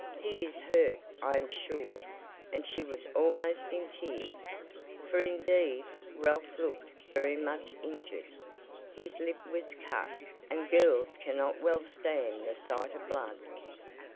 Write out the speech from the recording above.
He is hurt, I am sure," and she was almost in tears, for indeed Ralph looked very much injured his lip was cut, and girls cannot well stand the sight of blood.